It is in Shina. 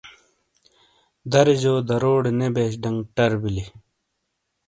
درےجو راروٹے نے بیش ڈنگ ٹر بیلی۔